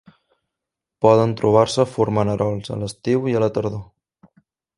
Poden trobar-se formant erols a l'estiu i a la tardor.